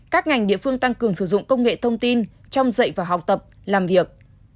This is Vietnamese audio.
các ngành địa phương tăng cường sử dụng công nghệ thông tin trong dạy và học tập làm việc